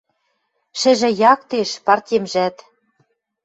Шӹжӹ яктеш, партемжӓт!